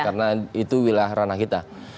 karena itu wilayah ranah kita